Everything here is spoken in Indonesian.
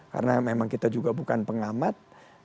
karena memang kita juga bukan pengamat